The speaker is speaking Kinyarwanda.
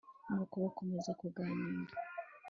nuko bakomeza kuganira